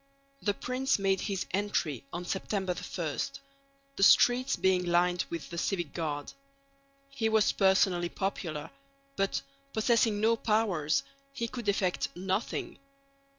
The prince made his entry on September 1, the streets being lined with the civic guard. He was personally popular, but, possessing no powers, he could effect nothing.